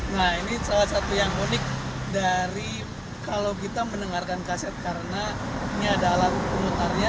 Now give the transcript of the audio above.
nah ini salah satu yang unik dari kalau kita mendengarkan kaset karena ini ada alat pemutarnya